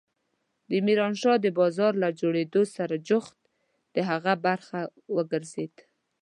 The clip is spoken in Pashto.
د ميرانشاه د بازار له جوړېدو سره جوخت د هغه برخه وګرځېد.